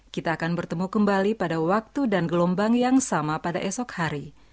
kita akan bertemu kembali pada waktu dan gelombang yang sama pada esok hari